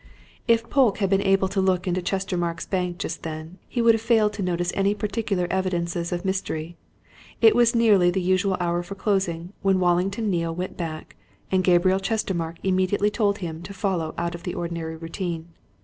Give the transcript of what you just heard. If Polke had been able to look into Chestermarke's Bank just then, he would have failed to notice any particular evidences of mystery. It was nearly the usual hour for closing when Wallington Neale went back, and Gabriel Chestermarke immediately told him to follow out the ordinary routine.